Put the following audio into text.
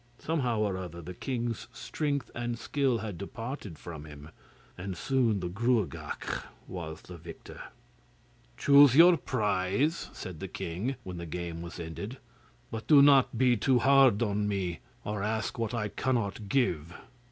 Somehow or other, the king's strength and skill had departed from him, and soon the Gruagach was the victor. 'Choose your prize,' said the king, when the game was ended, 'but do not be too hard on me, or ask what I cannot give.